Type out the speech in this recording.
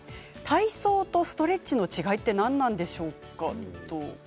体操とストレッチの違いって何なんでしょうか？